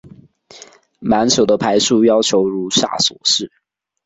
满手的牌数要求如下所示。